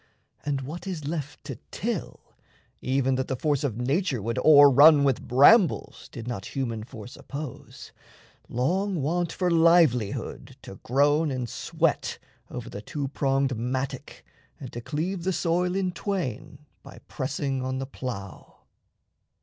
And what is left to till, Even that the force of nature would o'errun With brambles, did not human force oppose, Long wont for livelihood to groan and sweat Over the two pronged mattock and to cleave The soil in twain by pressing on the plough.